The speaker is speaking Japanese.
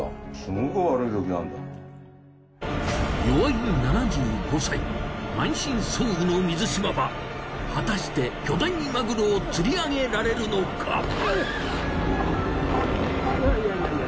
よわい７５歳満身創痍の水嶋は果たして巨大マグロを吊り上げられるのか？